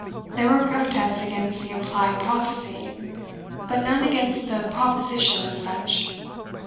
There were protests against the implied prophecy, but none against the proposition as such.